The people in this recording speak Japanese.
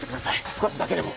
少しだけでも。